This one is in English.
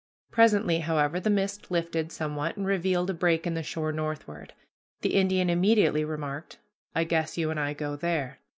Presently, however, the mist lifted somewhat and revealed a break in the shore northward. The Indian immediately remarked, "I guess you and I go there."